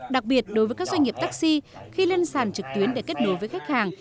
đặc biệt đối với các doanh nghiệp taxi khi lên sàn trực tuyến để kết nối với khách hàng